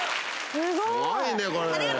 すごいねこれ。